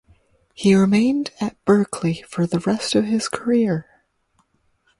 He remained at Berkeley for the rest of his career.